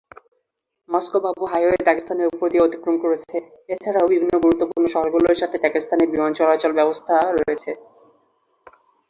Moscow-Baku highway দাগেস্তানের উপর দিয়ে অতিক্রম করেছে, এছাড়াও বিভিন্ন গুরুত্বপূর্ণ শহরগুলোর সাথে দাগেস্তানের বিমান চলাচল ব্যবস্থা রয়েছে।